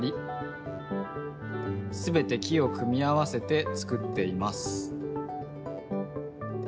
すべて木を組み合わせてつくっています。